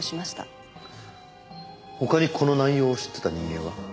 他にこの内容を知ってた人間は？